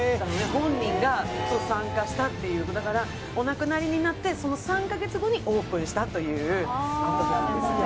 本人が参加したという、だからお亡くなりになって、その３か月後にオープンしたということなんですね。